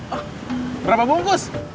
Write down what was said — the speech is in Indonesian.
hah berapa bungkus